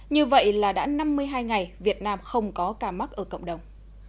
như vậy là đã năm mươi hai ngày việt nam không có ca mắc ở cộng đồng